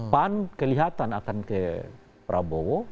pan kelihatan akan ke prabowo